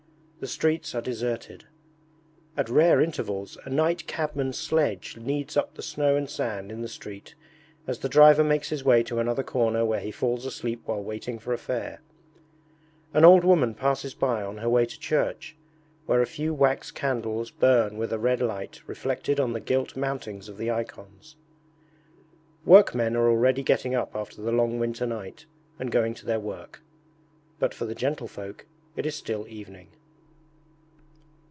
The streets are deserted. At rare intervals a night cabman's sledge kneads up the snow and sand in the street as the driver makes his way to another corner where he falls asleep while waiting for a fare. An old woman passes by on her way to church, where a few wax candles burn with a red light reflected on the gilt mountings of the icons. Workmen are already getting up after the long winter night and going to their work but for the gentlefolk it is still evening.